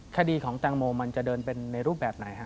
คดีของแตงโมมันจะเดินเป็นในรูปแบบไหนฮะ